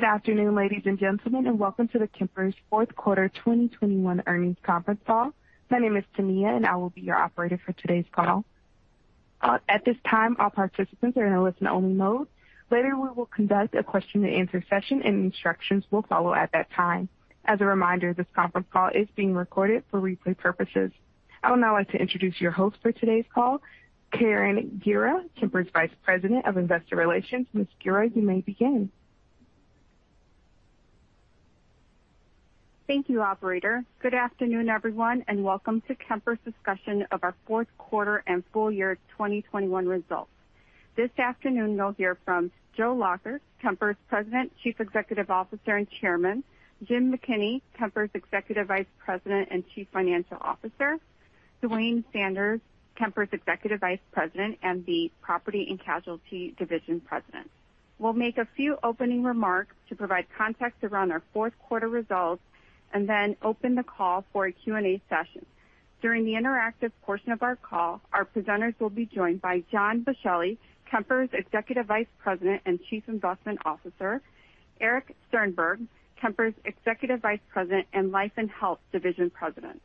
Good afternoon, ladies and gentlemen, and welcome to Kemper's fourth quarter 2021 earnings conference call. My name is Tania, and I will be your operator for today's call. At this time, all participants are in a listen-only mode. Later, we will conduct a question and answer session, and instructions will follow at that time. As a reminder, this conference call is being recorded for replay purposes. I would now like to introduce your host for today's call, Karen Guerra, Kemper's Vice President of Investor Relations. Ms. Guerra, you may begin. Thank you, operator. Good afternoon, everyone, and welcome to Kemper's discussion of our fourth quarter and full year 2021 results. This afternoon, you'll hear from Joseph P. Lacher, Jr., Kemper's President, Chief Executive Officer and Chairman, James McKinney, Kemper's Executive Vice President and Chief Financial Officer, Duane Sanders, Kemper's Executive Vice President and the Property and Casualty Division President. We'll make a few opening remarks to provide context around our fourth quarter results, and then open the call for a Q&A session. During the interactive portion of our call, our presenters will be joined by John Boschelli, Kemper's Executive Vice President and Chief Investment Officer, Erich Sternberg, Kemper's Executive Vice President and Life and Health Division President.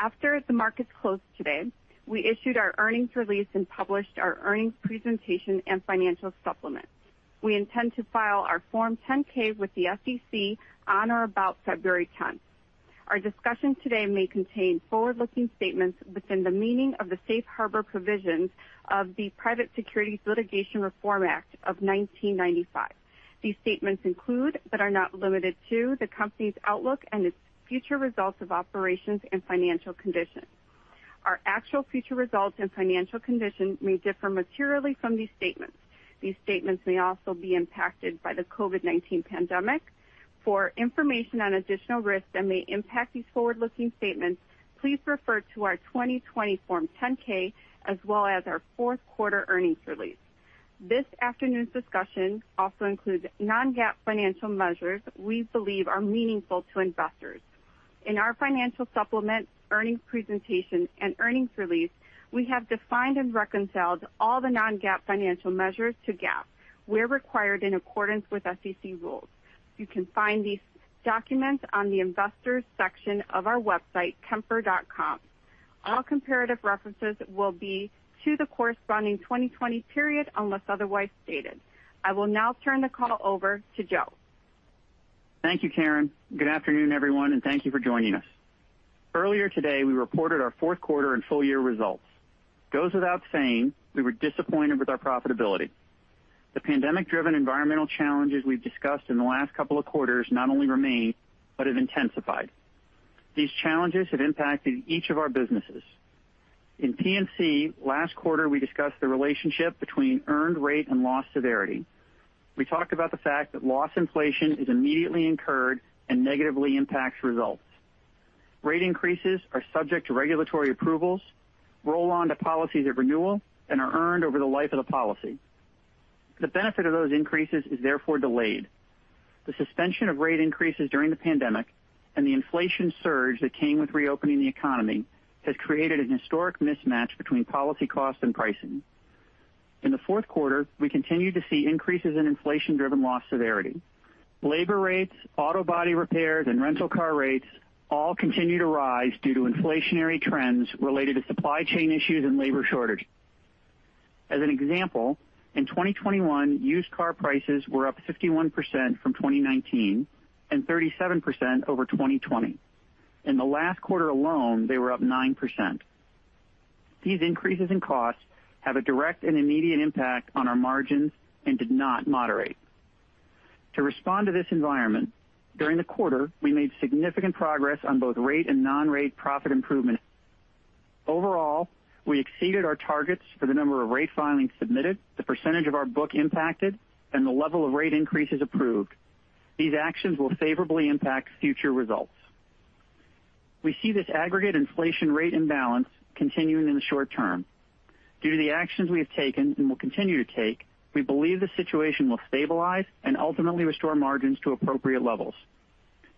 After the markets closed today, we issued our earnings release and published our earnings presentation and financial supplement. We intend to file our Form 10-K with the SEC on or about February 10th. Our discussion today may contain forward-looking statements within the meaning of the safe harbor provisions of the Private Securities Litigation Reform Act of 1995. These statements include, but are not limited to, the company's outlook and its future results of operations and financial conditions. Our actual future results and financial conditions may differ materially from these statements. These statements may also be impacted by the COVID-19 pandemic. For information on additional risks that may impact these forward-looking statements, please refer to our 2020 Form 10-K, as well as our fourth quarter earnings release. This afternoon's discussion also includes non-GAAP financial measures we believe are meaningful to investors. In our financial supplement, earnings presentation and earnings release, we have defined and reconciled all the non-GAAP financial measures to GAAP where required in accordance with SEC rules. You can find these documents on the investors section of our website, kemper.com. All comparative references will be to the corresponding 2020 period unless otherwise stated. I will now turn the call over to Joseph. Thank you, Karen. Good afternoon, everyone, and thank you for joining us. Earlier today, we reported our fourth quarter and full year results. It goes without saying we were disappointed with our profitability. The pandemic-driven environmental challenges we've discussed in the last couple of quarters not only remain, but have intensified. These challenges have impacted each of our businesses. In P&C last quarter, we discussed the relationship between earned rate and loss severity. We talked about the fact that loss inflation is immediately incurred and negatively impacts results. Rate increases are subject to regulatory approvals, roll on to policies of renewal, and are earned over the life of the policy. The benefit of those increases is therefore delayed. The suspension of rate increases during the pandemic and the inflation surge that came with reopening the economy has created an historic mismatch between policy costs and pricing. In the fourth quarter, we continued to see increases in inflation-driven loss severity. Labor rates, auto body repairs, and rental car rates all continue to rise due to inflationary trends related to supply chain issues and labor shortage. As an example, in 2021, used car prices were up 51% from 2019 and 37% over 2020. In the last quarter alone, they were up 9%. These increases in costs have a direct and immediate impact on our margins and did not moderate. To respond to this environment, during the quarter, we made significant progress on both rate and non-rate profit improvement. Overall, we exceeded our targets for the number of rate filings submitted, the percentage of our book impacted, and the level of rate increases approved. These actions will favorably impact future results. We see this aggregate inflation rate imbalance continuing in the short term. Due to the actions we have taken and will continue to take, we believe the situation will stabilize and ultimately restore margins to appropriate levels.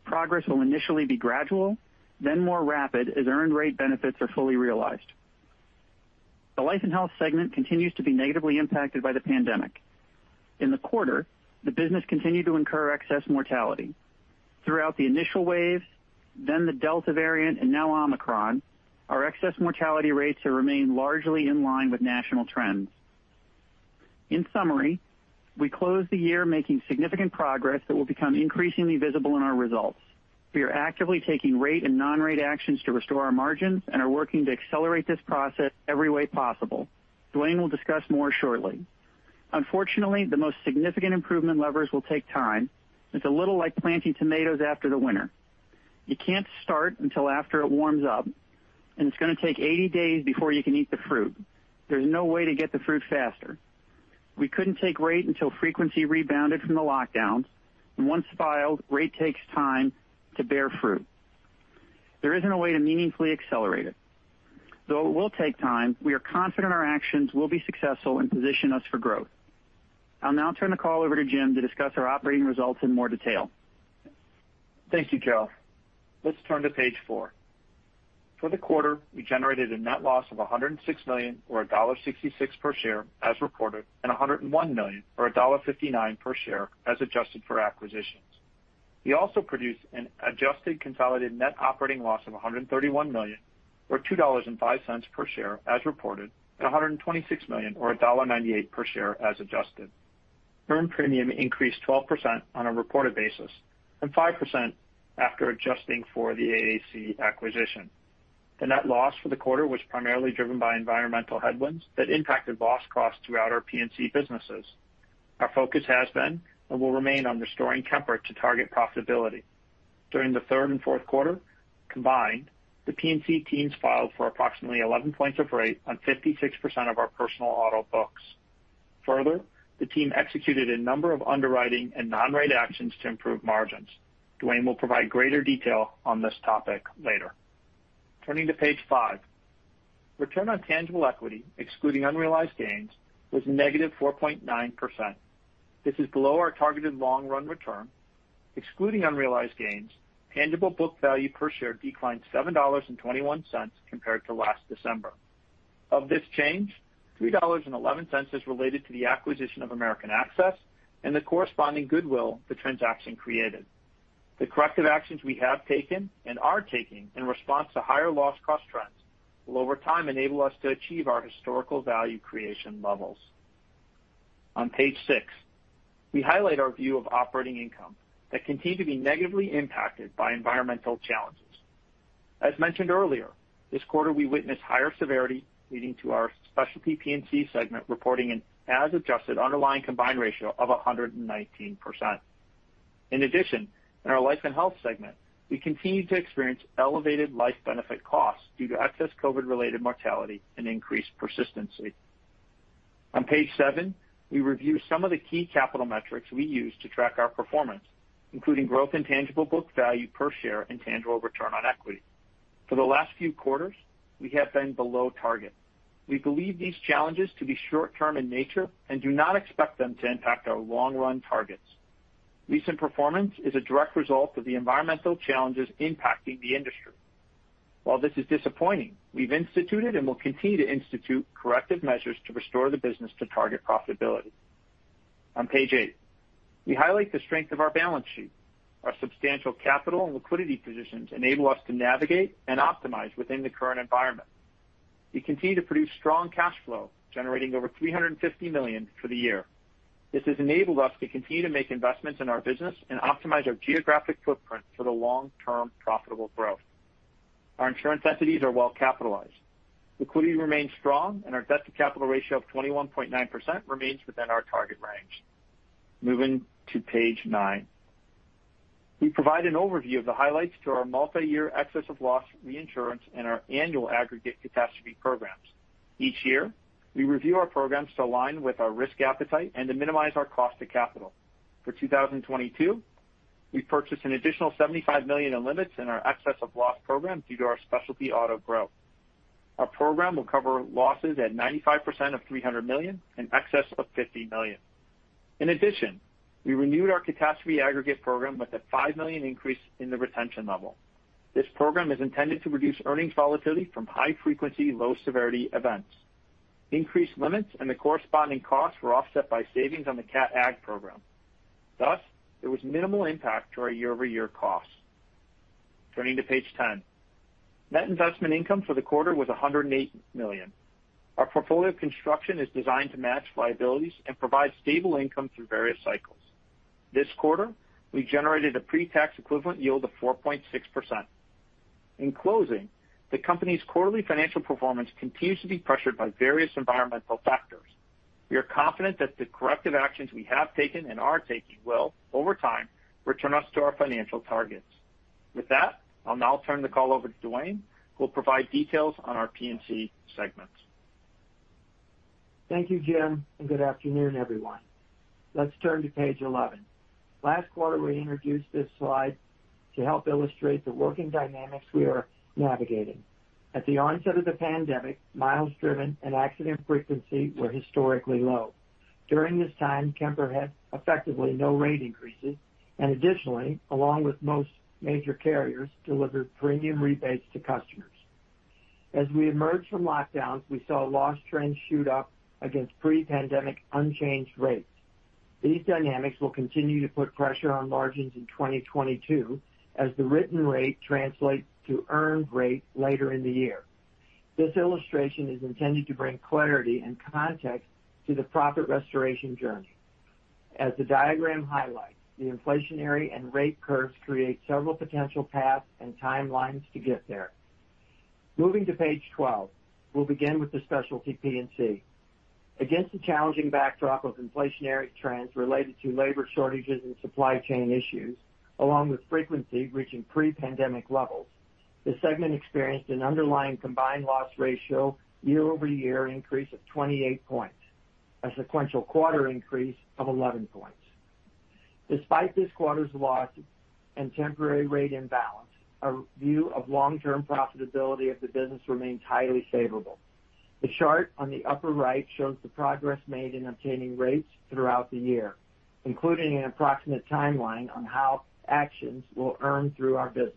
Progress will initially be gradual, then more rapid as earned rate benefits are fully realized. The Life and Health segment continues to be negatively impacted by the pandemic. In the quarter, the business continued to incur excess mortality. Throughout the initial wave, then the Delta variant, and now Omicron, our excess mortality rates have remained largely in line with national trends. In summary, we closed the year making significant progress that will become increasingly visible in our results. We are actively taking rate and non-rate actions to restore our margins and are working to accelerate this process every way possible. Duane will discuss more shortly. Unfortunately, the most significant improvement levers will take time. It's a little like planting tomatoes after the winter. You can't start until after it warms up, and it's gonna take 80 days before you can eat the fruit. There's no way to get the fruit faster. We couldn't take rate until frequency rebounded from the lockdowns. Once filed, rate takes time to bear fruit. There isn't a way to meaningfully accelerate it. Though it will take time, we are confident our actions will be successful and position us for growth. I'll now turn the call over to James to discuss our operating results in more detail. Thank you, Joseph. Let's turn to page four. For the quarter, we generated a net loss of $106 million or $1.66 per share as reported, and $101 million or $1.59 per share as adjusted for acquisitions. We also produced an adjusted consolidated net operating loss of $131 million or $2.05 per share as reported, and $126 million or $1.98 per share as adjusted. Earned premium increased 12% on a reported basis and 5% after adjusting for the AAC acquisition. The net loss for the quarter was primarily driven by environmental headwinds that impacted loss costs throughout our P&C businesses. Our focus has been and will remain on restoring temperate to target profitability. During the third and fourth quarter, combined, the P&C teams filed for approximately 11 points of rate on 56% of our personal auto books. Further, the team executed a number of underwriting and non-rate actions to improve margins. Duane will provide greater detail on this topic later. Turning to page five. Return on tangible equity, excluding unrealized gains, was -4.9%. This is below our targeted long-run return. Excluding unrealized gains, tangible book value per share declined $7.21 compared to last December. Of this change, $3.11 is related to the acquisition of American Access and the corresponding goodwill the transaction created. The corrective actions we have taken and are taking in response to higher loss cost trends will over time enable us to achieve our historical value creation levels. On page six, we highlight our view of operating income that continue to be negatively impacted by environmental challenges. As mentioned earlier, this quarter we witnessed higher severity, leading to our Specialty P&C segment reporting an as-adjusted underlying combined ratio of 119%. In addition, in our Life and Health segment, we continue to experience elevated life benefit costs due to excess COVID-related mortality and increased persistency. On page seven, we review some of the key capital metrics we use to track our performance, including growth in tangible book value per share and tangible return on equity. For the last few quarters, we have been below target. We believe these challenges to be short-term in nature and do not expect them to impact our long-run targets. Recent performance is a direct result of the environmental challenges impacting the industry. While this is disappointing, we've instituted and will continue to institute corrective measures to restore the business to target profitability. On page eight, we highlight the strength of our balance sheet. Our substantial capital and liquidity positions enable us to navigate and optimize within the current environment. We continue to produce strong cash flow, generating over $350 million for the year. This has enabled us to continue to make investments in our business and optimize our geographic footprint for the long-term profitable growth. Our insurance entities are well capitalized. Liquidity remains strong and our debt-to-capital ratio of 21.9% remains within our target range. Moving to page nine. We provide an overview of the highlights to our multi-year excess of loss reinsurance and our annual aggregate catastrophe programs. Each year, we review our programs to align with our risk appetite and to minimize our cost to capital. For 2022, we purchased an additional $75 million in limits in our excess of loss program due to our Specialty Auto growth. Our program will cover losses at 95% of $300 million in excess of $50 million. In addition, we renewed our catastrophe aggregate program with a $5 million increase in the retention level. This program is intended to reduce earnings volatility from high frequency, low severity events. Increased limits and the corresponding costs were offset by savings on the Cat Ag program. Thus, there was minimal impact to our year-over-year costs. Turning to page 10. Net investment income for the quarter was $108 million. Our portfolio construction is designed to match liabilities and provide stable income through various cycles. This quarter, we generated a pre-tax equivalent yield of 4.6%. In closing, the company's quarterly financial performance continues to be pressured by various environmental factors. We are confident that the corrective actions we have taken and are taking will, over time, return us to our financial targets. With that, I'll now turn the call over to Duane, who will provide details on our P&C segments. Thank you, James, and good afternoon, everyone. Let's turn to page 11. Last quarter, we introduced this slide to help illustrate the working dynamics we are navigating. At the onset of the pandemic, miles driven and accident frequency were historically low. During this time, Kemper had effectively no rate increases, and additionally, along with most major carriers, delivered premium rebates to customers. As we emerged from lockdowns, we saw loss trends shoot up against pre-pandemic unchanged rates. These dynamics will continue to put pressure on margins in 2022 as the written rate translates to earned rate later in the year. This illustration is intended to bring clarity and context to the profit restoration journey. As the diagram highlights, the inflationary and rate curves create several potential paths and timelines to get there. Moving to page 12. We'll begin with the Specialty P&C. Against the challenging backdrop of inflationary trends related to labor shortages and supply chain issues, along with frequency reaching pre-pandemic levels, the segment experienced an underlying combined ratio year-over-year increase of 28 points, a sequential quarter increase of 11 points. Despite this quarter's loss and temporary rate imbalance, our view of long-term profitability of the business remains highly favorable. The chart on the upper right shows the progress made in obtaining rates throughout the year, including an approximate timeline on how actions will earn through our business.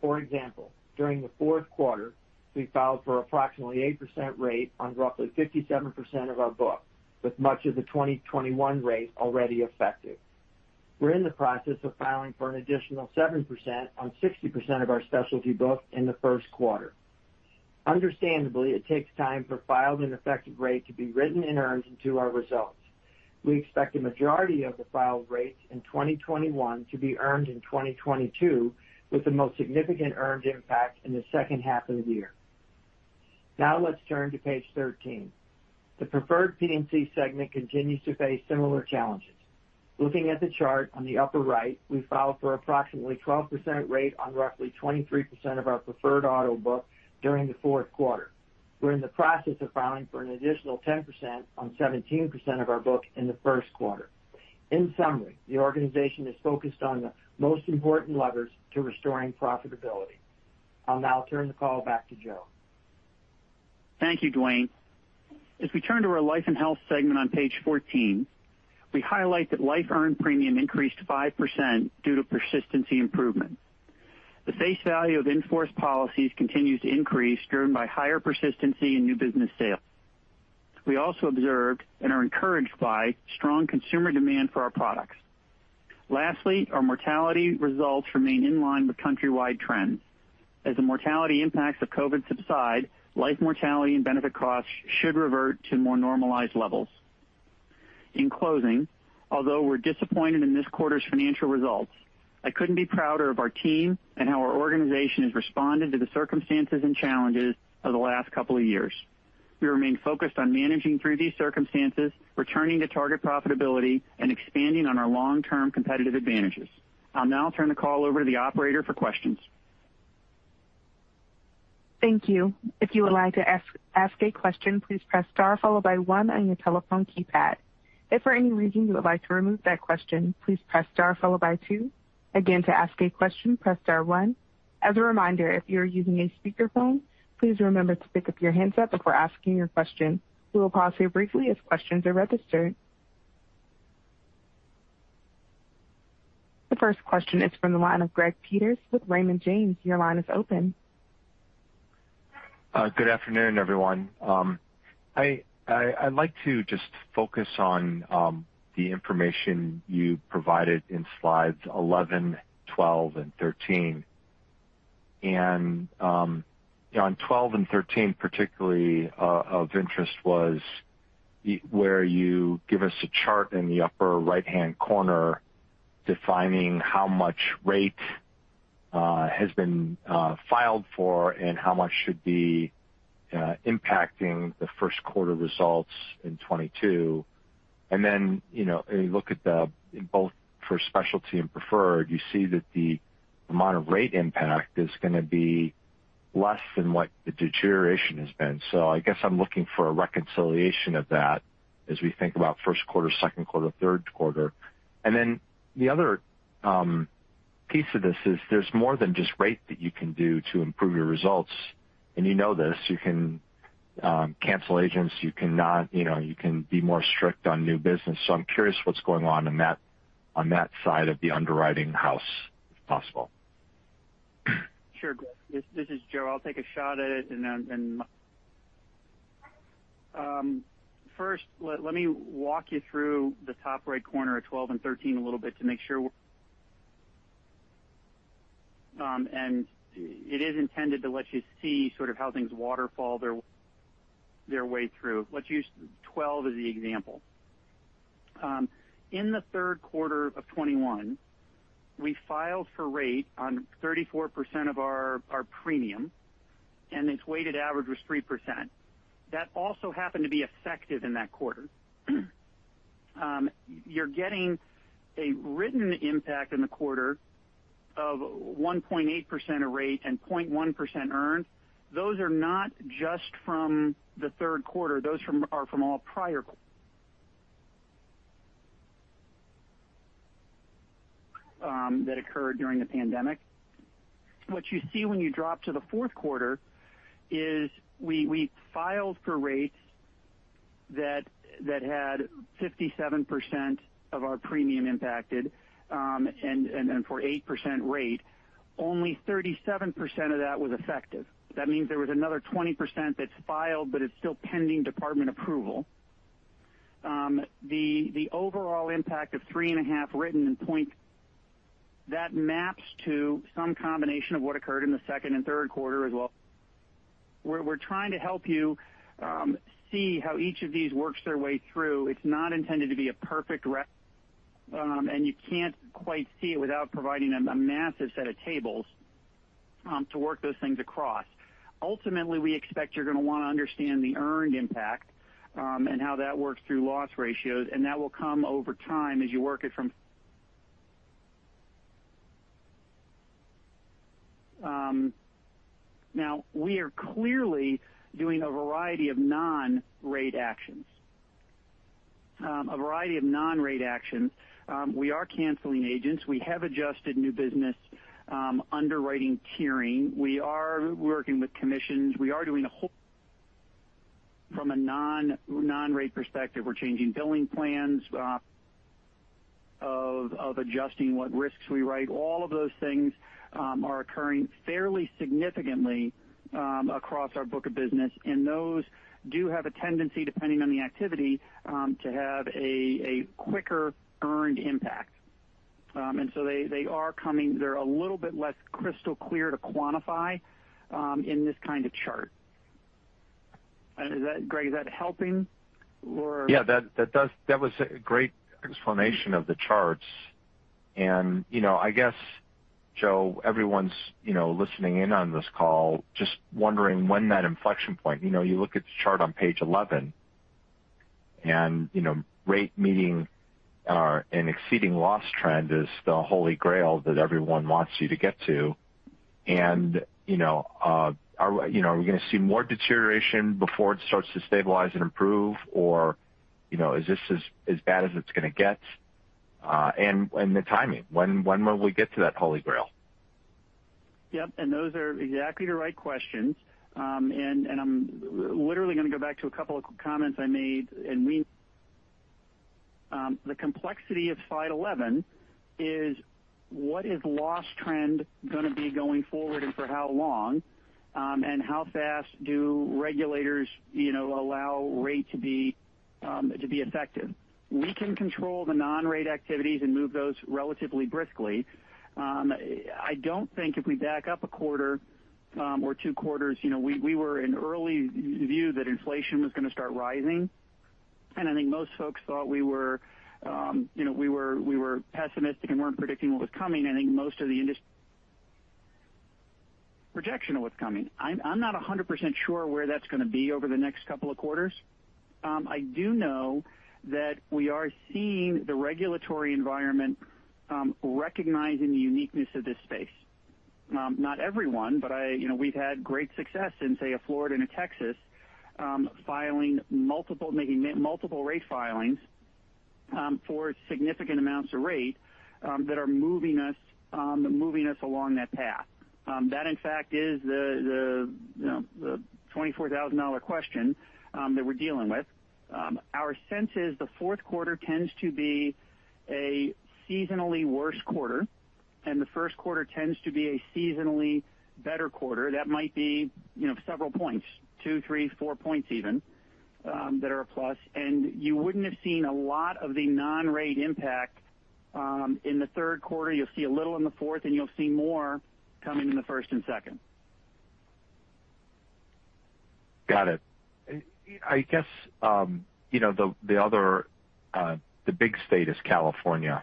For example, during the fourth quarter, we filed for approximately 8% rate on roughly 57% of our book, with much of the 2021 rate already effective. We're in the process of filing for an additional 7% on 60% of our specialty book in the first quarter. Understandably, it takes time for filed and effective rate to be written and earned into our results. We expect the majority of the filed rates in 2021 to be earned in 2022, with the most significant earned impact in the second half of the year. Now let's turn to page 13. The Preferred P&C segment continues to face similar challenges. Looking at the chart on the upper right, we filed for approximately 12% rate on roughly 23% of our Preferred auto book during the fourth quarter. We're in the process of filing for an additional 10% on 17% of our book in the first quarter. In summary, the organization is focused on the most important levers to restoring profitability. I'll now turn the call back to Joseph. Thank you, Duane. As we turn to our Life & Health segment on page 14, we highlight that life earned premium increased 5% due to persistency improvement. The face value of in-force policies continues to increase, driven by higher persistency and new business sales. We also observed and are encouraged by strong consumer demand for our products. Lastly, our mortality results remain in line with countrywide trends. As the mortality impacts of COVID subside, life mortality and benefit costs should revert to more normalized levels. In closing, although we're disappointed in this quarter's financial results, I couldn't be prouder of our team and how our organization has responded to the circumstances and challenges of the last couple of years. We remain focused on managing through these circumstances, returning to target profitability, and expanding on our long-term competitive advantages. I'll now turn the call over to the operator for questions. Thank you. If you would like to ask a question, please press star followed by one on your telephone keypad. If for any reason you would like to remove that question, please press star followed by two. Again, to ask a question, press star one. As a reminder, if you are using a speakerphone, please remember to pick up your handset before asking your question. We will pause here briefly as questions are registered. The first question is from the line of Gregory Peters with Raymond James. Your line is open. Good afternoon, everyone. I'd like to just focus on the information you provided in slides 11, 12, and 13. On 12 and 13, particularly of interest was where you give us a chart in the upper right-hand corner defining how much rate has been filed for and how much should be impacting the first quarter results in 2022. You know, you look at both for Specialty and Preferred, you see that the amount of rate impact is gonna be less than what the deterioration has been. I guess I'm looking for a reconciliation of that as we think about first quarter, second quarter, third quarter. The other piece of this is there's more than just rate that you can do to improve your results, and you know this. You can cancel agents. You cannot, you know, you can be more strict on new business. I'm curious what's going on on that side of the underwriting house, if possible. Sure, Gregory. This is Joseph. I'll take a shot at it, and then. First, let me walk you through the top right corner of 12 and 13 a little bit to make sure. It is intended to let you see sort of how things waterfall their way through. Let's use 12 as the example. In the third quarter of 2021, we filed for rate on 34% of our premium, and its weighted average was 3%. That also happened to be effective in that quarter. You're getting a written impact in the quarter of 1.8% of rate and 0.1% earned. Those are not just from the third quarter. Those are from all prior that occurred during the pandemic. What you see when you drop to the fourth quarter is we filed for rates that had 57% of our premium impacted, and for 8% rate. Only 37% of that was effective. That means there was another 20% that's filed, but it's still pending department approval. The overall impact of 3.5 written and 0.5. That maps to some combination of what occurred in the second and third quarter as well. We're trying to help you see how each of these works their way through. It's not intended to be a perfect. You can't quite see it without providing a massive set of tables to work those things across. Ultimately, we expect you're gonna wanna understand the earned impact, and how that works through loss ratios, and that will come over time as you work it from now. We are clearly doing a variety of non-rate actions. We are canceling agents. We have adjusted new business, underwriting tiering. We are working with commissions. We are doing a whole lot from a non-rate perspective. We're changing billing plans and adjusting what risks we write. All of those things are occurring fairly significantly across our book of business, and those do have a tendency, depending on the activity, to have a quicker earned impact. And so they are coming. They're a little bit less crystal clear to quantify in this kind of chart. Is that, Gregory, is that helping or? Yeah, that was a great explanation of the charts. You know, I guess, Joseph, everyone's you know listening in on this call just wondering when that inflection point. You know, you look at the chart on page 11 and, you know, rates meeting or exceeding loss trends is the holy grail that everyone wants you to get to. You know, are we gonna see more deterioration before it starts to stabilize and improve? Or, you know, is this as bad as it's gonna get? The timing, when will we get to that holy grail? Yep. Those are exactly the right questions. I'm literally gonna go back to a couple of comments I made. The complexity of five eleven is what is loss trend gonna be going forward and for how long, and how fast do regulators allow rate to be effective. We can control the non-rate activities and move those relatively briskly. I don't think if we back up a quarter or two quarters, we were in early view that inflation was gonna start rising. I think most folks thought we were pessimistic and weren't predicting what was coming. I think most of the industry projection of what's coming. I'm not 100% sure where that's gonna be over the next couple of quarters. I do know that we are seeing the regulatory environment recognizing the uniqueness of this space. Not everyone, but I, you know, we've had great success in, say, Florida and Texas, making multiple rate filings for significant amounts of rate that are moving us along that path. That in fact is the, you know, the $24,000 question that we're dealing with. Our sense is the fourth quarter tends to be a seasonally worse quarter, and the first quarter tends to be a seasonally better quarter. That might be, you know, several points, two, three, four points even, that are a plus. You wouldn't have seen a lot of the non-rate impact in the third quarter. You'll see a little in the fourth, and you'll see more coming in the first and second. Got it. I guess, you know, the other big state is California.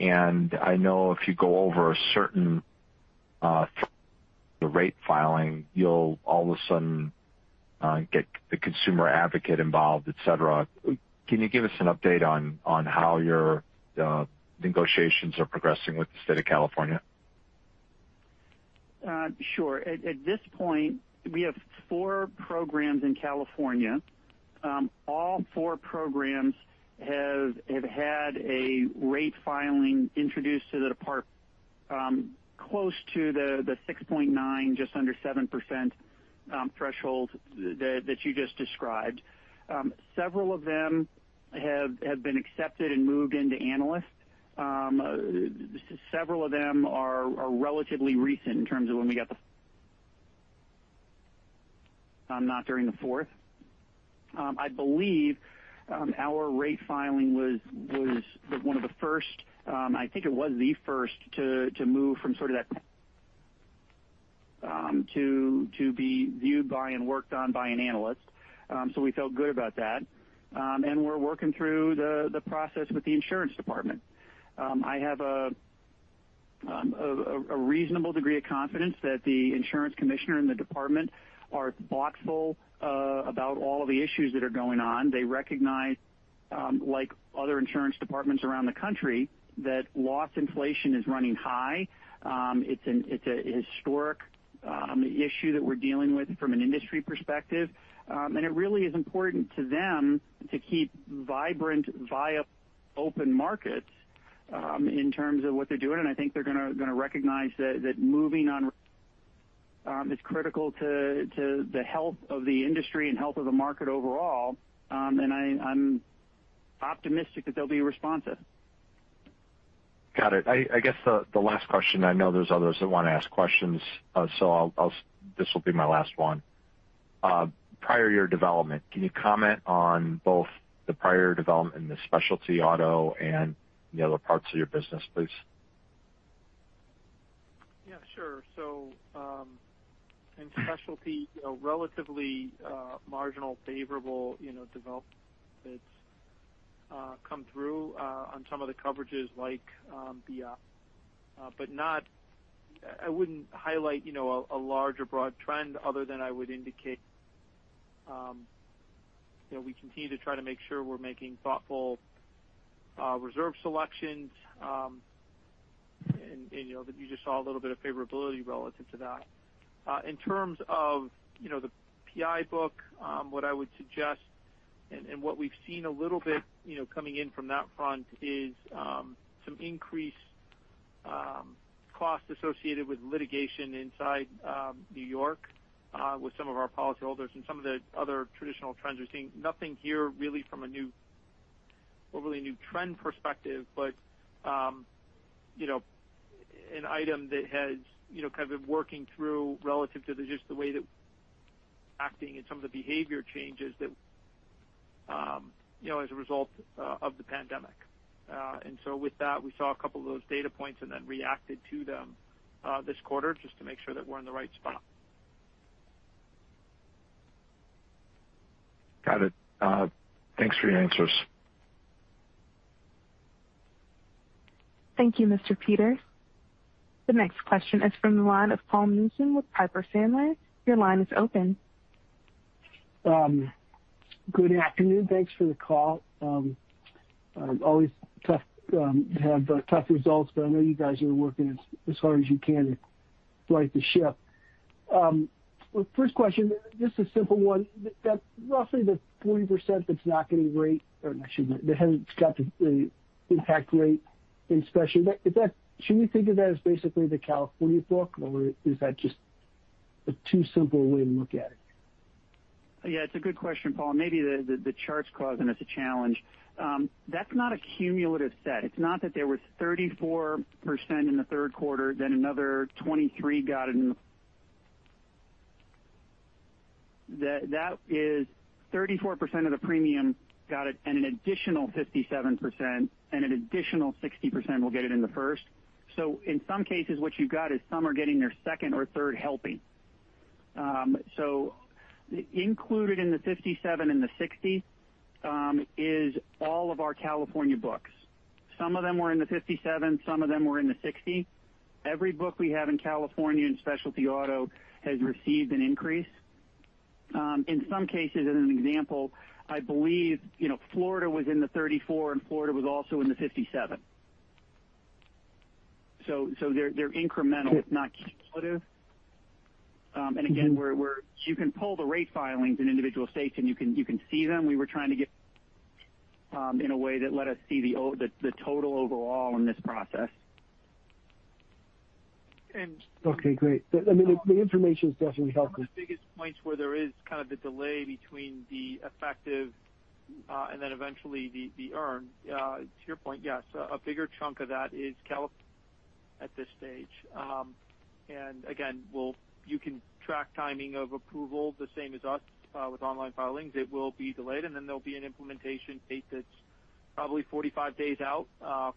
I know if you go over a certain rate filing, you'll all of a sudden get the consumer advocate involved, et cetera. Can you give us an update on how your negotiations are progressing with the state of California? Sure. At this point, we have four programs in California. All four programs have had a rate filing introduced to the department close to the 6.9%, just under 7% threshold that you just described. Several of them have been accepted and moved into analyst. Several of them are relatively recent in terms of when we got the. Not during the fourth. I believe our rate filing was one of the first. I think it was the first to move from sort of that to be viewed by and worked on by an analyst. We felt good about that. We're working through the process with the insurance department. I have a reasonable degree of confidence that the insurance commissioner and the department are thoughtful about all of the issues that are going on. They recognize, like other insurance departments around the country, that loss inflation is running high. It's a historic issue that we're dealing with from an industry perspective. It really is important to them to keep vibrant, viable, open markets in terms of what they're doing. I think they're gonna recognize that moving on is critical to the health of the industry and health of the market overall. I'm optimistic that they'll be responsive. Got it. I guess the last question, I know there's others that wanna ask questions, so this will be my last one. Prior year development, can you comment on both the prior development in the Specialty Auto and the other parts of your business, please? Yeah, sure. In Specialty, a relatively marginal favorable, you know, developments come through on some of the coverages like BI, but I wouldn't highlight, you know, a larger broad trend other than I would indicate, you know, we continue to try to make sure we're making thoughtful reserve selections. You know, that you just saw a little bit of favorability relative to that. In terms of the PI book, what I would suggest and what we've seen a little bit coming in from that front is some increased costs associated with litigation in New York with some of our policyholders and some of the other traditional trends we're seeing. Nothing here really from a really new trend perspective, but you know, an item that's kind of working through relative to just the way that accidents and some of the behavior changes that you know, as a result of the pandemic. With that, we saw a couple of those data points and then reacted to them this quarter just to make sure that we're in the right spot. Got it. Thanks for your answers. Thank you, Mr. Peters. The next question is from the line of Paul Newsome with Piper Sandler. Your line is open. Good afternoon. Thanks for the call. Always tough to have tough results, but I know you guys are working as hard as you can to right the ship. First question, just a simple one. That's roughly the 40% that's not getting rate, or actually that hasn't got the impact rate in specialty. Is that the California book, or is that just too simple a way to look at it? Yeah, it's a good question, Paul. Maybe the chart's causing us a challenge. That's not a cumulative set. It's not that there was 34% in the third quarter then another twenty-three got in. That is 34% of the premium got it and an additional 57% and an additional 60% will get it in the first. So in some cases, what you've got is some are getting their second or third helping. So included in the 57% and the 60% is all of our California books. Some of them were in the 57%, some of them were in the 60%. Every book we have in California in Specialty Auto has received an increase. In some cases, as an example, I believe, you know, Florida was in the 34%, and Florida was also in the 57%. They're incremental, not cumulative. Again, you can pull the rate filings in individual states, and you can see them. We were trying to get in a way that let us see the total overall in this process. Okay, great. I mean, the information is definitely helpful. One of the biggest points where there is kind of a delay between the effective and then eventually the earned, to your point, yes, a bigger chunk of that is California at this stage. Again, you can track timing of approval the same as us with online filings. It will be delayed, and then there'll be an implementation date that's probably 45 days out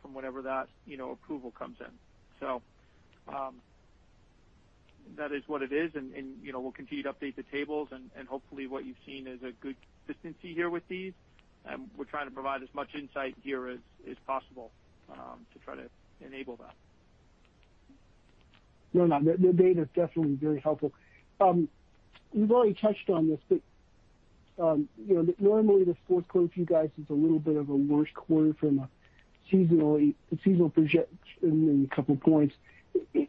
from whenever that, you know, approval comes in. That is what it is. You know, we'll continue to update the tables and hopefully what you've seen is a good consistency here with these. We're trying to provide as much insight here as possible to try to enable that. No, the data is definitely very helpful. You've already touched on this, but you know, normally the fourth quarter for you guys is a little bit of a worse quarter from a seasonal impact in a couple points.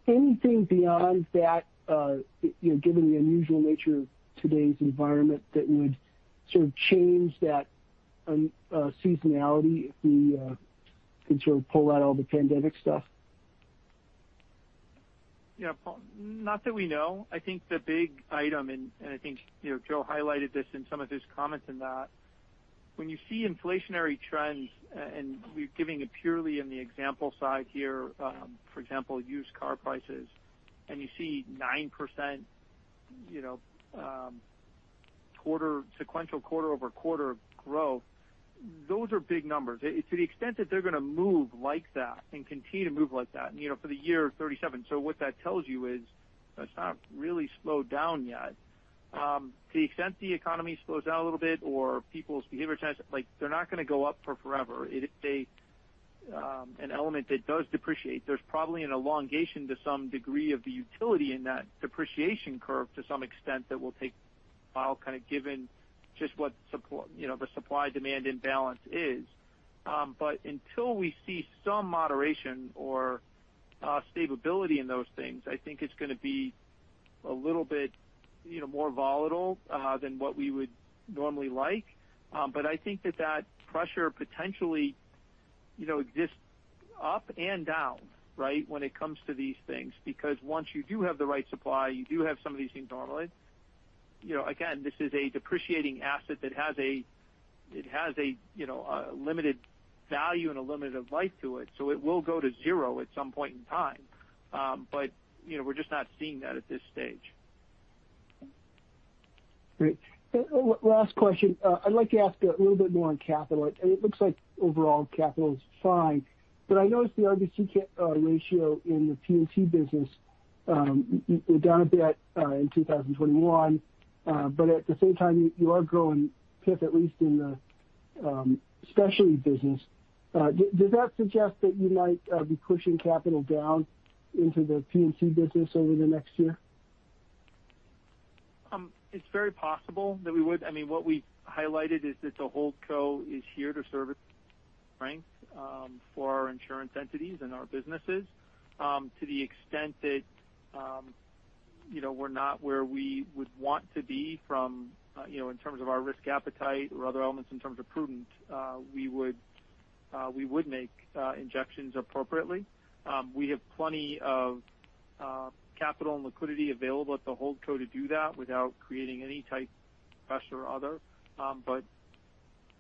Anything beyond that, you know, given the unusual nature of today's environment that would sort of change that seasonality if we could sort of pull out all the pandemic stuff? Yeah, Paul, not that we know. I think the big item, and I think, you know, Joseph highlighted this in some of his comments in that when you see inflationary trends, and we're giving it purely in the example side here, for example, used car prices, and you see 9%, you know, quarter sequential quarter-over-quarter growth, those are big numbers. To the extent that they're gonna move like that and continue to move like that, and, you know, for the year, 37. So what that tells you is that's not really slowed down yet. To the extent the economy slows down a little bit or people's behavior tends, like, they're not gonna go up for forever. It is an element that does depreciate. There's probably an elongation to some degree of the utility in that depreciation curve to some extent that will take a while kinda given just what you know, the supply-demand imbalance is. Until we see some moderation or stability in those things, I think it's gonna be a little bit, you know, more volatile than what we would normally like. I think that pressure potentially, you know, exists up and down, right, when it comes to these things, because once you do have the right supply, you do have some of these things normally. You know, again, this is a depreciating asset that has a limited value and a limited life to it. So it will go to zero at some point in time. You know, we're just not seeing that at this stage. Great. Last question. I'd like to ask a little bit more on capital. It looks like overall capital is fine, but I noticed the RBC capital ratio in the P&C business. You're down a bit in 2021. But at the same time, you are growing PIF, at least in the Specialty business. Does that suggest that you might be pushing capital down into the P&C business over the next year? It's very possible that we would. I mean, what we highlighted is that the Holdco is here to serve as strength for our insurance entities and our businesses. To the extent that, you know, we're not where we would want to be from, you know, in terms of our risk appetite or other elements in terms of prudent, we would make injections appropriately. We have plenty of capital and liquidity available at the Holdco to do that without creating any type of pressure or other.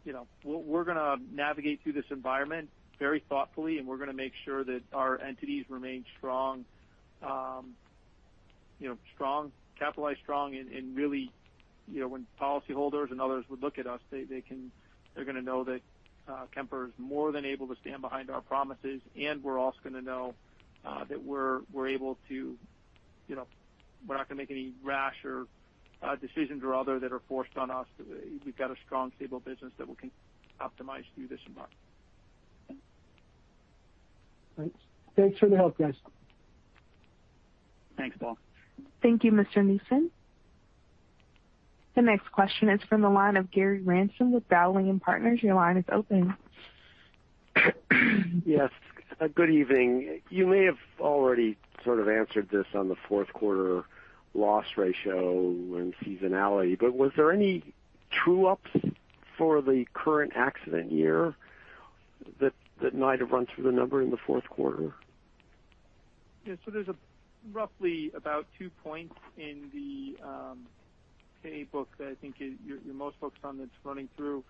You know, we're gonna navigate through this environment very thoughtfully, and we're gonna make sure that our entities remain strong and capitalized, and really, you know, when policyholders and others would look at us, they're gonna know that Kemper is more than able to stand behind our promises, and we're also gonna know that we're able to, you know, we're not gonna make any rash or decisions or other that are forced on us. We've got a strong, stable business that we can optimize through this environment. Thanks. Thanks for the help, guys. Thanks, Paul. Thank you, Mr. Newsome. The next question is from the line of Gary Ransom with Dowling & Partners. Your line is open. Yes, good evening. You may have already sort of answered this on the fourth quarter loss ratio and seasonality, but was there any true-ups for the current accident year that might have run through the number in the fourth quarter? Yeah. There's roughly about two points in the preferred book that I think you're most focused on that's running through.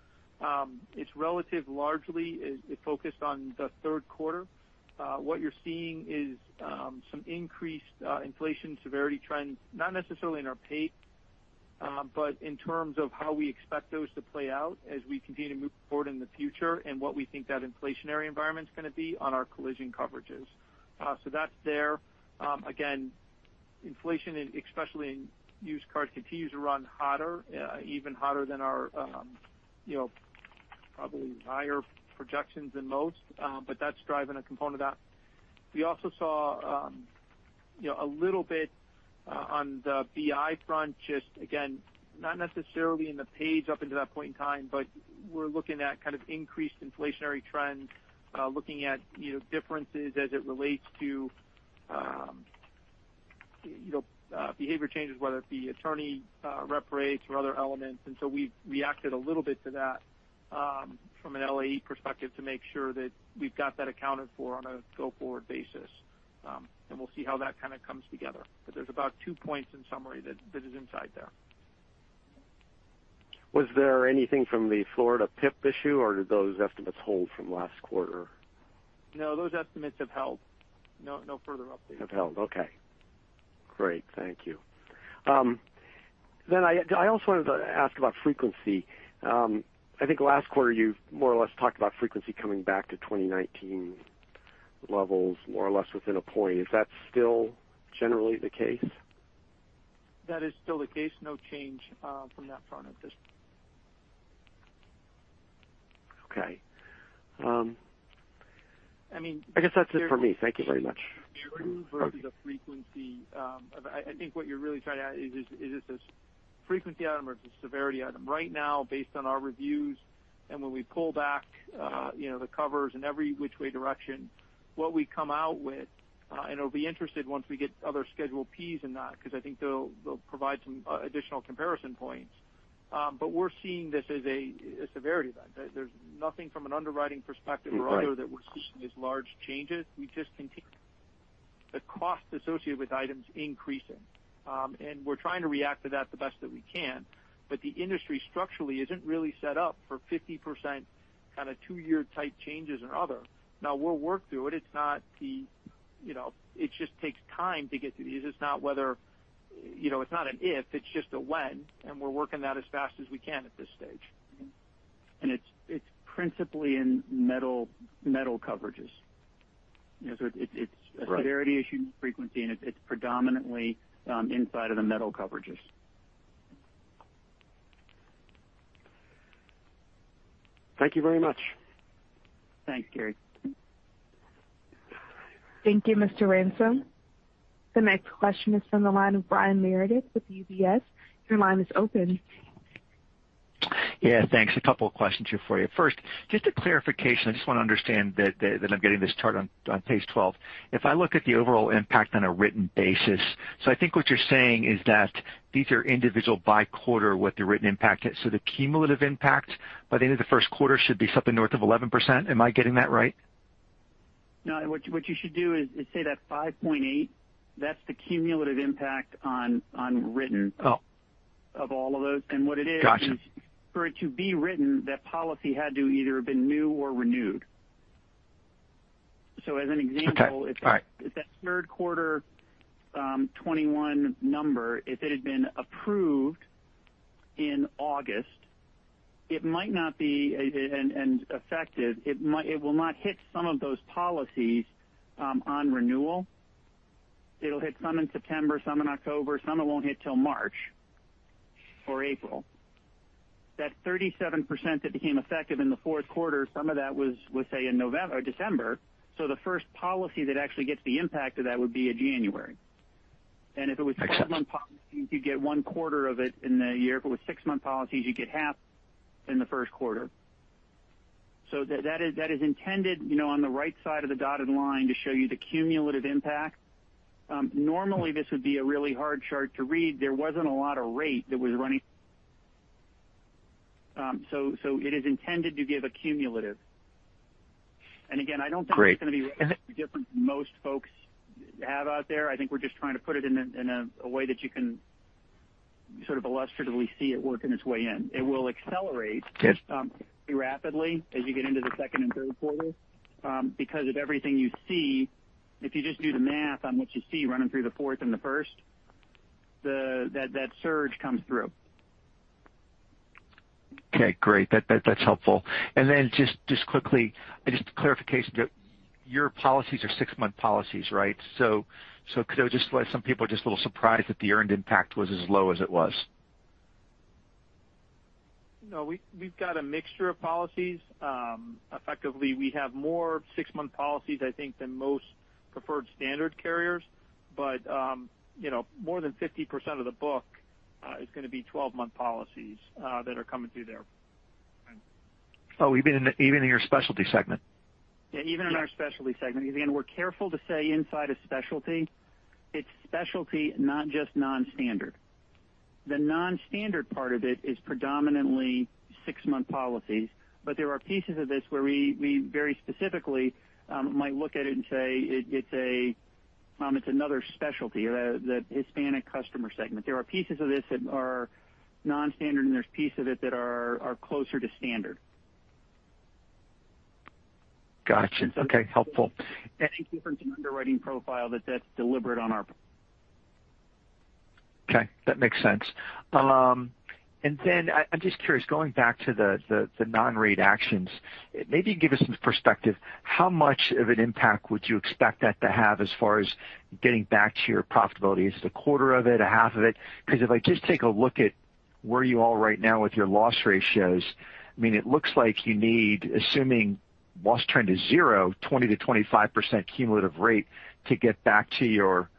It's relatively largely focused on the third quarter. What you're seeing is some increased inflation severity trends, not necessarily in our paid, but in terms of how we expect those to play out as we continue to move forward in the future and what we think that inflationary environment is gonna be on our collision coverages. That's there. Again, inflation, especially in used cars, continues to run hotter, even hotter than our, you know, probably higher projections than most. That's driving a component of that. We also saw, you know, a little bit on the BI front, just again, not necessarily in the page up into that point in time, but we're looking at kind of increased inflationary trends, looking at, you know, differences as it relates to, you know, behavior changes, whether it be attorney, rep rates or other elements. We've reacted a little bit to that, from an LAE perspective to make sure that we've got that accounted for on a go-forward basis. We'll see how that kind of comes together. There's about two points, in summary, that is inside there. Was there anything from the Florida PIP issue or did those estimates hold from last quarter? No, those estimates have held. No, no further update. Have held. Okay, great. Thank you. I also wanted to ask about frequency. I think last quarter you more or less talked about frequency coming back to 2019 levels more or less within a point. Is that still generally the case? That is still the case. No change from that front at this- Okay. I mean. I guess that's it for me. Thank you very much. Severity versus the frequency. I think what you're really trying to ask is this a frequency item or is this a severity item? Right now based on our reviews and when we pull back the covers in every which way direction, what we come out with, and it'll be interesting once we get other Schedule Ps in that because I think they'll provide some additional comparison points. We're seeing this as a severity event. There's nothing from an underwriting perspective or otherwise that we're seeing these large changes. We just see the costs associated with items increasing. We're trying to react to that the best that we can. The industry structurally isn't really set up for 50% kind of two-year type changes or other. Now we'll work through it. It's not the, you know, it just takes time to get through these. It's not whether, you know, it's not an if, it's just a when, and we're working that as fast as we can at this stage. It's principally in metal coverages. You know, so it's a severity issue, frequency, and it's predominantly inside of the metal coverages. Thank you very much. Thanks, Gary. Thank you, Mr. Ransom. The next question is from the line of Brian Meredith with UBS. Your line is open. Yeah, thanks. A couple of questions here for you. First, just a clarification. I just want to understand that I'm getting this chart on page 12. If I look at the overall impact on a written basis, I think what you're saying is that these are individually by quarter what the written impact is. The cumulative impact by the end of the first quarter should be something north of 11%. Am I getting that right? No. What you should do is say that 5.8%, that's the cumulative impact on written- Oh. Of all of those. What it is Gotcha. For it to be written, that policy had to either been new or renewed. As an example- Okay. All right. If that third quarter 2021 number, if it had been approved in August, it might not be and effective. It will not hit some of those policies on renewal. It'll hit some in September, some in October, some it won't hit till March or April. That 37% that became effective in the fourth quarter, some of that was, let's say in November or December. The first policy that actually gets the impact of that would be a January. If it was a 12-month policy, you'd get one quarter of it in the year. If it was six-month policies, you'd get half in the first quarter. That is intended, you know, on the right side of the dotted line to show you the cumulative impact. Normally this would be a really hard chart to read. There wasn't a lot of rate that was running. So it is intended to give a cumulative. Again, I don't think it's gonna be different than most folks have out there. I think we're just trying to put it in a way that you can sort of illustratively see it working its way in. It will accelerate. Yes. Rapidly as you get into the second and third quarter, because of everything you see. If you just do the math on what you see running through the fourth and the first, that surge comes through. Okay, great. That's helpful. Then just quickly, just clarification. Your policies are six-month policies, right? So, why some people are just a little surprised that the earned impact was as low as it was. No, we've got a mixture of policies. Effectively, we have more six-month policies, I think, than most preferred standard carriers. You know, more than 50% of the book is gonna be 12-month policies that are coming through there. Oh, even in your Specialty segment? Yeah, even in our specialty segment. Because, again, we're careful to say inside a specialty, it's specialty, not just non-standard. The non-standard part of it is predominantly six-month policies. But there are pieces of this where we very specifically might look at it and say it's another specialty, the Hispanic customer segment. There are pieces of this that are non-standard, and there's pieces of it that are closer to standard. Gotcha. Okay, helpful. Any difference in underwriting profile that's deliberate on our part. Okay, that makes sense. And then I'm just curious, going back to the non-rate actions, maybe give us some perspective. How much of an impact would you expect that to have as far as getting back to your profitability? Is it a quarter of it, a half of it? Because if I just take a look at where you are right now with your loss ratios, I mean, it looks like you need, assuming loss trend is zero, 20%-25% cumulative rate to get back to your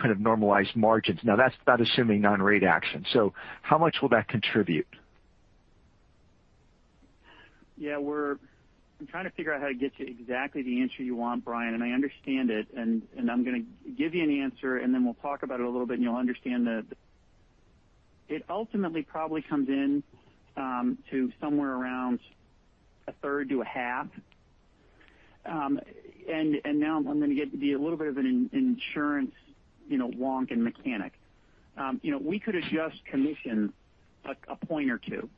kind of normalized margins. Now, that's about assuming non-rate action. So how much will that contribute? I'm trying to figure out how to get to exactly the answer you want, Brian, and I understand it, and I'm gonna give you an answer, and then we'll talk about it a little bit, and you'll understand it. It ultimately probably comes in to somewhere around a third to a half. Now I'm gonna get to be a little bit of an insurance, you know, wonk and mechanic. You know, we could adjust commission a point or two.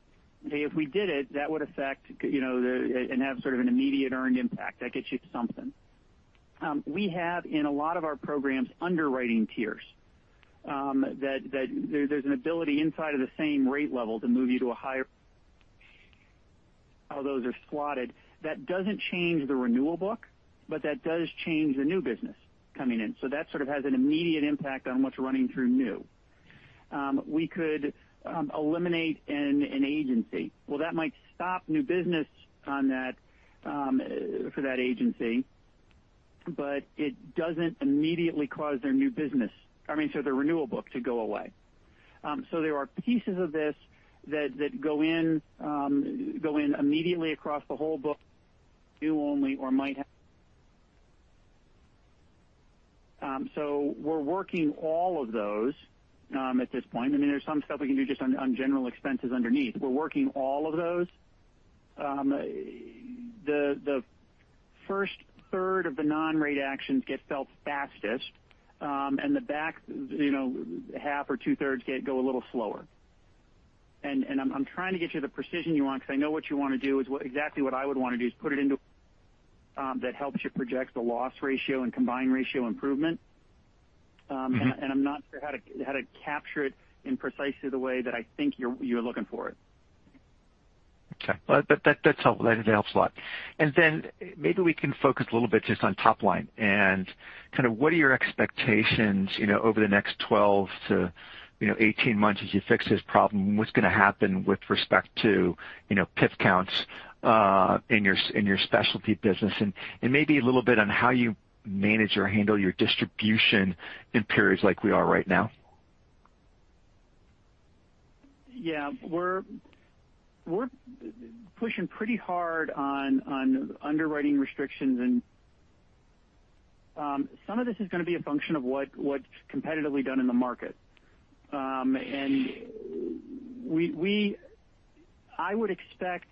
If we did it, that would affect, you know, and have sort of an immediate earned impact. That gets you to something. We have in a lot of our programs, underwriting tiers that there's an ability inside of the same rate level to move you to a higher. How those are slotted. That doesn't change the renewal book, but that does change the new business coming in. That sort of has an immediate impact on what's running through new. We could eliminate an agency. Well, that might stop new business on that for that agency, but it doesn't immediately cause their new business, I mean, their renewal book to go away. There are pieces of this that go in immediately across the whole book, new only or might have. We're working all of those at this point. I mean, there's some stuff we can do just on general expenses underneath. We're working all of those. The first third of the non-rate actions get felt fastest, and the back, you know, half or two thirds go a little slower. I'm trying to get you the precision you want because I know what you want to do is exactly what I would want to do is put it into that helps you project the loss ratio and combined ratio improvement. I'm not sure how to capture it in precisely the way that I think you're looking for it. Okay. Well, that's helpful. That helps a lot. Then maybe we can focus a little bit just on top line and kind of what are your expectations, you know, over the next 12 to 18 months as you fix this problem? What's gonna happen with respect to, you know, PIF counts in your specialty business? Maybe a little bit on how you manage or handle your distribution in periods like we are right now. Yeah. We're pushing pretty hard on underwriting restrictions. Some of this is gonna be a function of what's competitively done in the market. I would expect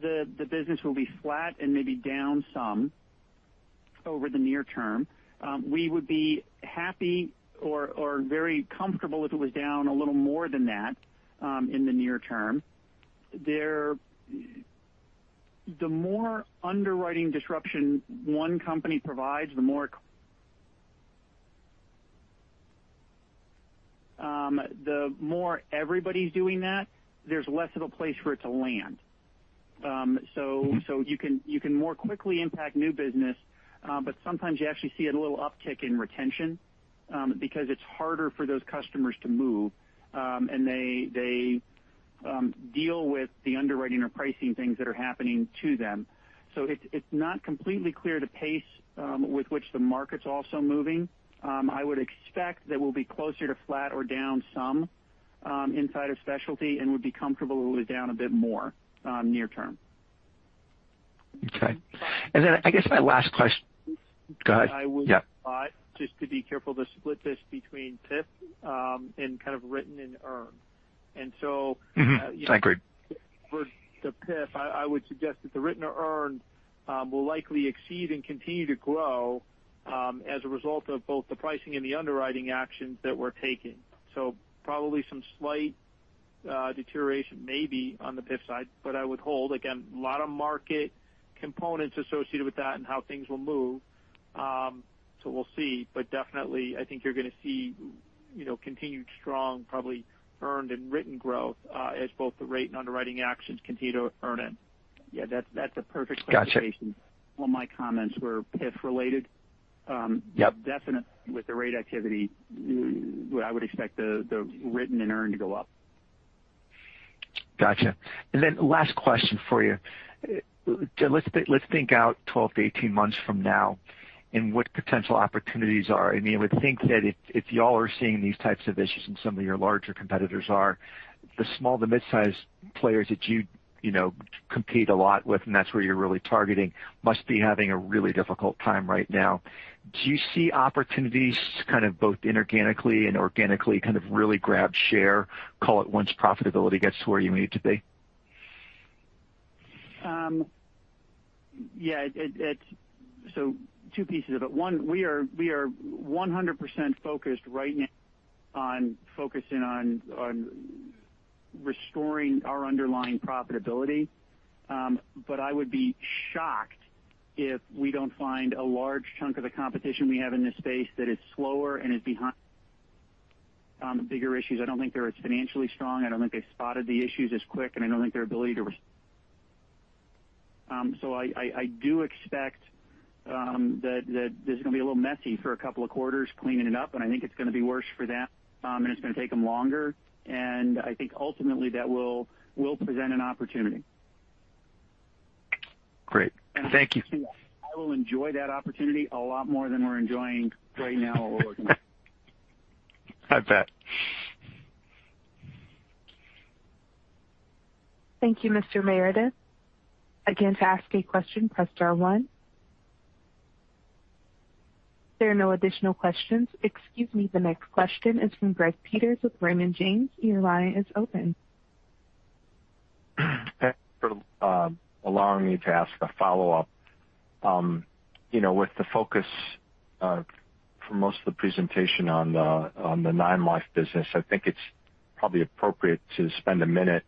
the business will be flat and maybe down some over the near term. We would be happy or very comfortable if it was down a little more than that in the near term. The more underwriting disruption one company provides, the more everybody's doing that, there's less of a place for it to land. You can more quickly impact new business, but sometimes you actually see a little uptick in retention, because it's harder for those customers to move, and they deal with the underwriting or pricing things that are happening to them. It's not completely clear the pace with which the market's also moving. I would expect that we'll be closer to flat or down some inside of Specialty and would be comfortable with down a bit more near term. Okay. I guess my last quest- Go ahead. Yeah. I would think just to be careful to split this between PIF and kind of written and earned. You know- Mm-hmm. I agree. For the PIF, I would suggest that the written or earned will likely exceed and continue to grow as a result of both the pricing and the underwriting actions that we're taking. Probably some slight deterioration maybe on the PIF side, but I would hold, again, a lot of market components associated with that and how things will move. We'll see. Definitely, I think you're gonna see, you know, continued strong, probably earned and written growth as both the rate and underwriting actions continue to earn in. Yeah, that's a perfect clarification. Gotcha. All my comments were PIF related. Yep. Definitely with the rate activity, I would expect the written and earned to go up. Gotcha. Last question for you. Let's think out 12-18 months from now and what potential opportunities are. I mean, I would think that if you all are seeing these types of issues and some of your larger competitors are, the small to mid-sized players that you know compete a lot with, and that's where you're really targeting, must be having a really difficult time right now. Do you see opportunities kind of both inorganically and organically kind of really grab share, call it once profitability gets to where you need it to be? Two pieces of it. One, we are 100% focused right now on focusing on restoring our underlying profitability. I would be shocked if we don't find a large chunk of the competition we have in this space that is slower and is behind on the bigger issues. I don't think they're as financially strong, I don't think they spotted the issues as quick. I do expect that this is gonna be a little messy for a couple of quarters cleaning it up, and I think it's gonna be worse for them, and it's gonna take them longer. I think ultimately that will present an opportunity. Great. Thank you. I will enjoy that opportunity a lot more than we're enjoying right now. I bet. Thank you, Mr. Meredith. Again, to ask a question, press star one. If there are no additional questions. Excuse me. The next question is from Gregory Peters with Raymond James. Your line is open. Thanks for allowing me to ask a follow-up. You know, with the focus for most of the presentation on the non-life business, I think it's probably appropriate to spend a minute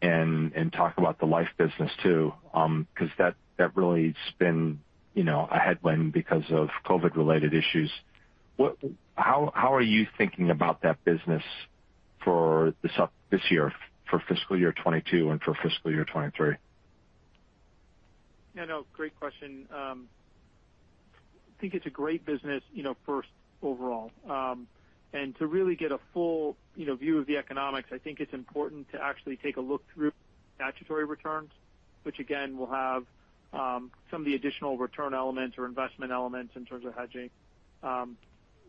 and talk about the Life business, too, because that really has been, you know, a headwind because of COVID-related issues. How are you thinking about that business for this year, for fiscal year 2022 and for fiscal year 2023? Yeah, no, great question. I think it's a great business, you know, first overall. To really get a full, you know, view of the economics, I think it's important to actually take a look through statutory returns, which again, will have some of the additional return elements or investment elements in terms of hedging.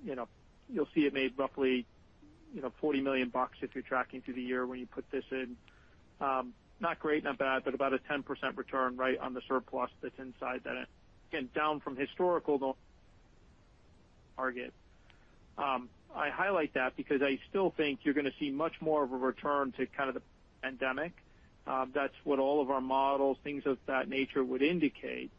You know, you'll see it made roughly, you know, $40 million if you're tracking through the year when you put this in. Not great, not bad, but about a 10% return right on the surplus that's inside that. Again, down from historical target. I highlight that because I still think you're gonna see much more of a return to kind of pre-pandemic. That's what all of our models, things of that nature would indicate.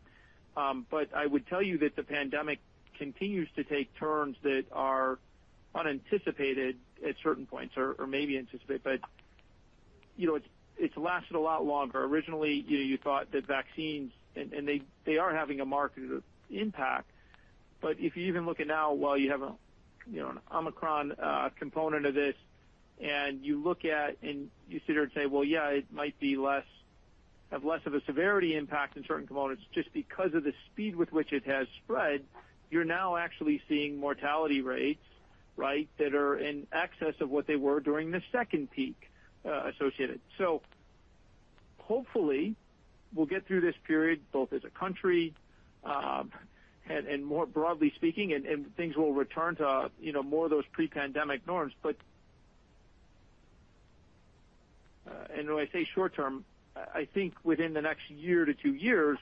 I would tell you that the pandemic continues to take turns that are unanticipated at certain points or maybe anticipated. You know, it's lasted a lot longer. Originally, you know, you thought that vaccines, and they are having a market impact. If you even look at now, while you have a, you know, an Omicron component of this, and you look at, and you sit here and say, "Well, yeah, it might be less of a severity impact in certain components just because of the speed with which it has spread," you're now actually seeing mortality rates, right, that are in excess of what they were during the second peak, associated. Hopefully, we'll get through this period, both as a country, and more broadly speaking, and things will return to, you know, more of those pre-pandemic norms. When I say short term, I think within the next year to two years,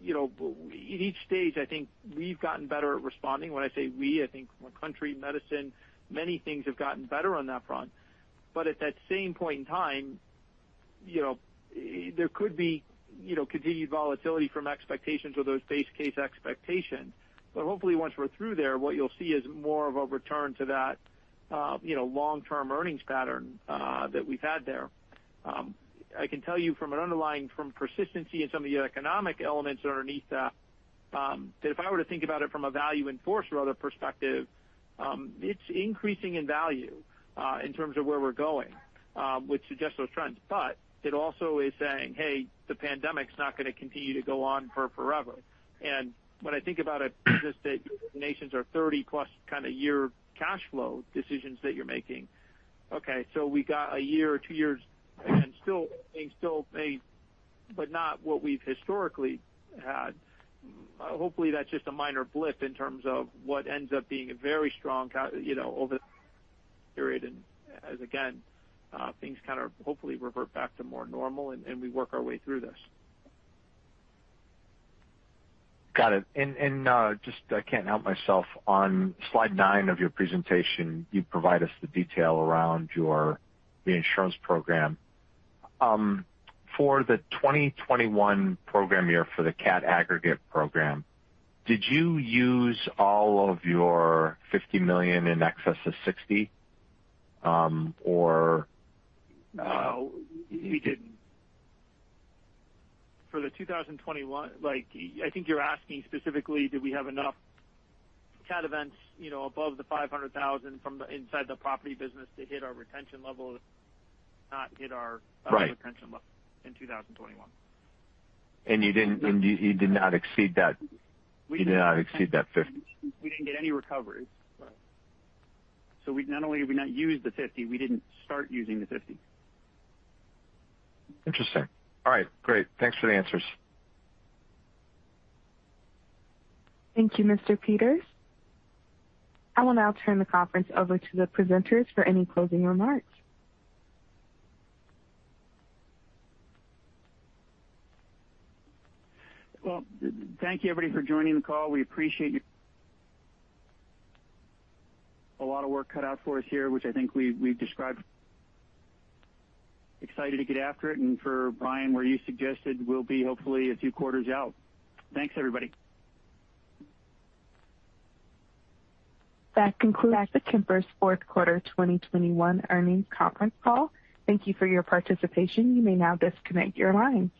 you know, each stage, I think we've gotten better at responding. When I say we, I mean the country, medicine, many things have gotten better on that front. At that same point in time, you know, there could be, you know, continued volatility from expectations or those base case expectations. Hopefully, once we're through there, what you'll see is more of a return to that, you know, long-term earnings pattern that we've had there. I can tell you from an underlying persistency in some of the economic elements underneath that if I were to think about it from a value investor or other perspective, it's increasing in value in terms of where we're going, which suggests those trends. It also is saying, "Hey, the pandemic's not gonna continue to go on for forever." When I think about a business that involves 30+ kind of year cash flow decisions that you're making. Okay, we got a year or two years again, still being, but not what we've historically had. Hopefully, that's just a minor blip in terms of what ends up being a very strong you know over period. As again, things kind of hopefully revert back to more normal and we work our way through this. Got it. Just I can't help myself. On slide nine of your presentation, you provide us the detail around your reinsurance program. For the 2021 program year for the cat aggregate program, did you use all of your $50 million in excess of $60 million, or- No, we didn't. For 2021, like, I think you're asking specifically, did we have enough cat events, you know, above the $500,000 from inside the property business to hit our retention level? Right. retention level in 2021. You did not exceed that. We didn't. You did not exceed that $50 million. We didn't get any recovery. Right. We'd not only have not used the $50 million, we didn't start using the $50 million. Interesting. All right, great. Thanks for the answers. Thank you, Mr. Peters. I will now turn the conference over to the presenters for any closing remarks. Well, thank you everybody for joining the call. We appreciate your a lot of work cut out for us here, which I think we've described. Excited to get after it, and for Brian, where you suggested we'll be hopefully a few quarters out. Thanks everybody. That concludes the Kemper fourth quarter 2021 earnings conference call. Thank you for your participation. You may now disconnect your lines.